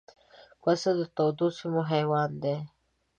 پسه د تودو سیمو حیوان دی.